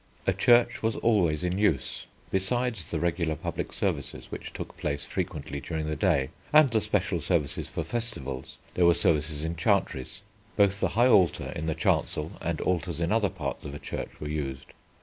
A church was always in use. Besides the regular public services which took place frequently during the day, and the special services for festivals, there were services in chantries. Both the high altar in the chancel and altars in other parts of a church were used.